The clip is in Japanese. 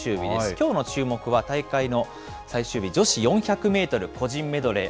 きょうの注目は大会の最終日、女子４００メートル個人メドレー。